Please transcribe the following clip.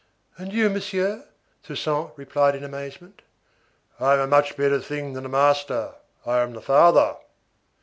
—"And you, monsieur?" Toussaint replied in amazement.—"I am a much better thing than the master, I am the father."